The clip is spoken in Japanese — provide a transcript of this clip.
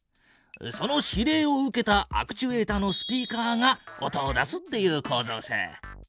その指令を受けたアクチュエータのスピーカーが音を出すっていうこうぞうさ。